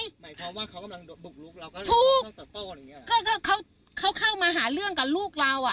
หมายความว่าเขากำลังบุกลุกเราก็ถูกเข้ามาหาเรื่องกับลูกเราอ่ะ